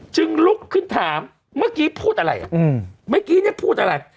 ลุกขึ้นถามเมื่อกี้พูดอะไรอ่ะเมื่อกี้เนี่ยพูดอะไร